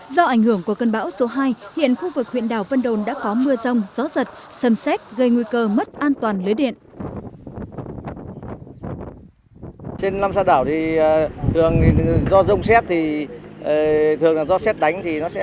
do ảnh hưởng của cơn bão số hai hiện khu vực huyện đảo vân đồn đã có mưa rông gió giật sầm xét gây nguy cơ mất an toàn lưới điện